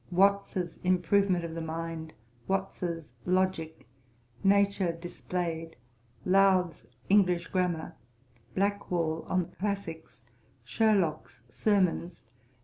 Watts's Improvement of the Mind. Watts's Logick. Nature Displayed. Lowth's English Grammar. Blackwall on the Classicks. Sherlock's Sermons.